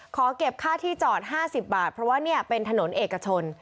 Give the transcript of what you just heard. ขอเก็บค่าที่จอด๕๐บาทเพราะว่าเนี่ยเป็นถนนเอกชน